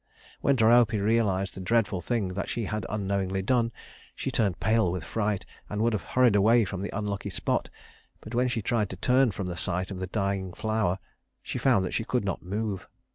When Dryope realized the dreadful thing that she had unknowingly done, she turned pale with fright, and would have hurried away from the unlucky spot; but when she tried to turn from the sight of the dying flower, she found that she could not move.